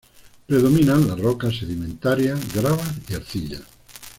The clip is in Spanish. Predominan las rocas sedimentarias, gravas y arcillas.